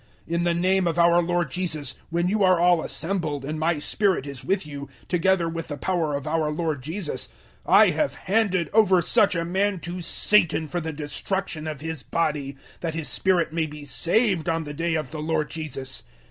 005:004 In the name of our Lord Jesus, when you are all assembled and my spirit is with you, together with the power of our Lord Jesus, 005:005 I have handed over such a man to Satan for the destruction of his body, that his spirit may be saved on the day of the Lord Jesus.